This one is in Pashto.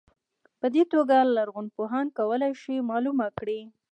په دې توګه لرغونپوهان کولای شي معلومه کړي.